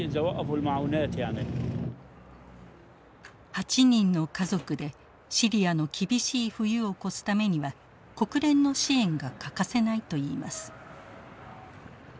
８人の家族でシリアの厳しい冬を越すためには国連の支援が欠かせないといいます。